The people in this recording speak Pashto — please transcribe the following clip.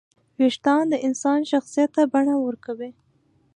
وېښتيان د انسان شخصیت ته بڼه ورکوي.